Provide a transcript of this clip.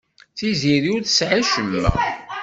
Tiziri ur tesɛi acemma.